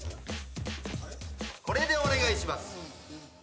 これでお願いします。